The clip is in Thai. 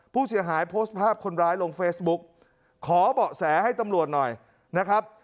ผู้เสียหายโพสต์ภาพคนร้ายลงเฟซบุ๊กขอเบาะแสให้ตำรวจหน่อยนะครับ